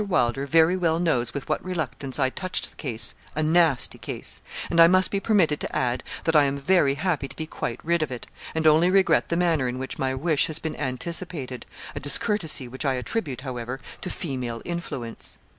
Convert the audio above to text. Wylder very well knows with what reluctance I touched the case a nasty case; and I must be permitted to add, that I am very happy to be quite rid of it, and only regret the manner in which my wish has been anticipated, a discourtesy which I attribute, however, to female influence.'